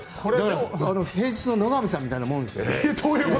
平日の野上さんみたいなもんですよね。